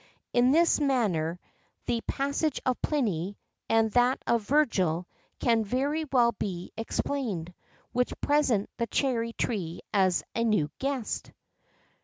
In this manner the passage of Pliny[XII 55] and that of Virgil[XII 56] can very well be explained, which present the cherry tree as a new guest.